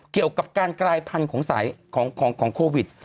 เกี่ยวกับการกลายพันธุ์ของสายของโควิด